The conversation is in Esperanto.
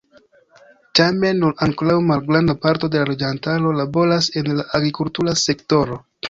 Tamen nur ankoraŭ malgranda parto de la loĝantaro laboras en la agrikultura sektoro.